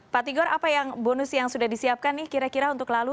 pak tigor apa yang bonus yang sudah disiapkan nih kira kira untuk lalu